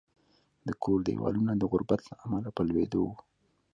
د کور دېوالونه د غربت له امله په لوېدو وو